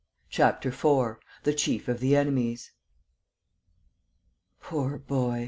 CHAPTER IV. THE CHIEF OF THE ENEMIES "Poor boy!"